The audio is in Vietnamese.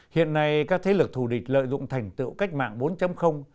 hiện nay các thế lực thù địch lợi dụng thành tựu cách mạng bốn